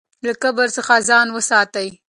له کبر څخه ځان وساتئ.